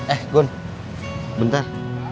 eh gun bentar